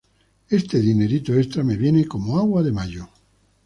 Este dinerito extra me viene como agua de mayo